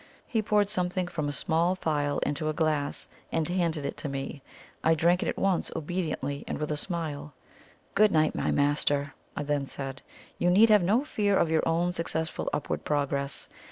He poured something from a small phial into a glass, and handed it to me. I drank it at once, obediently, and with a smile. "Good night, my Master!" I then said. "You need have no fear of your own successful upward progress.